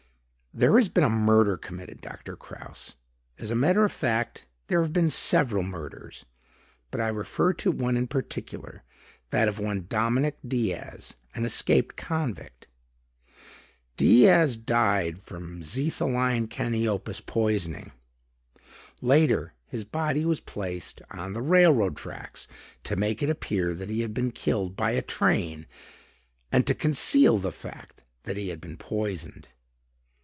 "There has been a murder committed, Doctor Kraus. As a matter of fact, there have been several murders, but I refer to one in particular; that of one Dominic Diaz, an escaped convict. Diaz died from xetholine caniopus poisoning. Later, his body was placed on the railroad tracks to make it appear that he had been killed by a train and to conceal the fact that he had been poisoned."